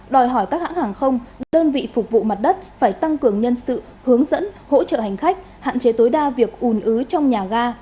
đòi hỏi các hãng hàng không đơn vị phục vụ mặt đất phải tăng cường nhân sự hướng dẫn hỗ trợ hành khách hạn chế tối đa việc ùn ứ trong nhà ga